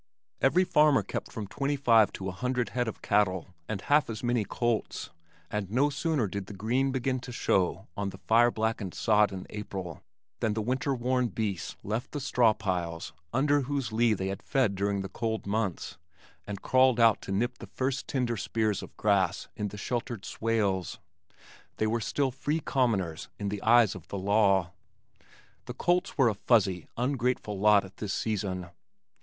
Every farmer kept from twenty five to a hundred head of cattle and half as many colts, and no sooner did the green begin to show on the fire blackened sod in April than the winter worn beasts left the straw piles under whose lee they had fed during the cold months, and crawled out to nip the first tender spears of grass in the sheltered swales. They were still "free commoners" in the eyes of the law. The colts were a fuzzy, ungraceful lot at this season.